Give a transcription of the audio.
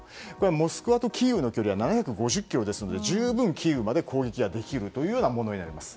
モスクワとキーウの距離は７５０ｋｍですので十分、キーウまで攻撃ができるものになります。